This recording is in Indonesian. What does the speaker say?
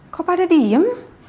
kok pada diem